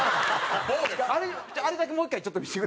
あれだけもう１回ちょっと見せて。